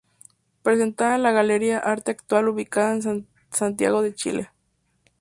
Presentada en la Galería Arte Actual ubicada en Santiago de Chile.